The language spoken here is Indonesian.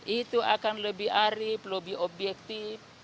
itu akan lebih arif lebih objektif